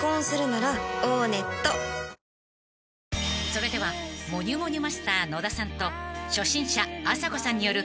［それではモニュモニュマスター野田さんと初心者あさこさんによる］